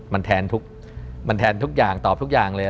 มันแทนทุกอย่างตอบทุกอย่างเลย